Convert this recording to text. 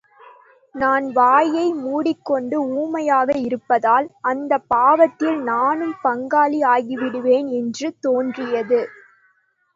நான் வாயை மூடிக் கொண்டு ஊமையாக இருப்பதால் அந்தப் பாவத்தில் நானும் பங்காளி ஆகிவிடுவேன் என்று தோன்றியது.